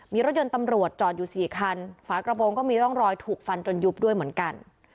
มีรถยนต์ตำรวจจอดอยู่สี่คันฝากระโบงก็มีร่องรอยถูกฟันจนยุบด้วยเหมือนกัน